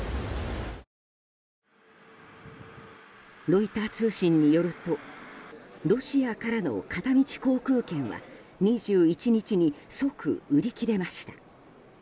ロイター通信によるとロシアからの片道航空券は２１日に即売り切れました。